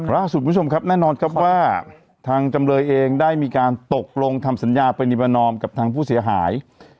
ร่าสุดคลุมชมครับแน่นอนว่าทางจำเลยเองได้มีการตกลงทำสัญญาปรานิบนอมกับผู้เสียหาย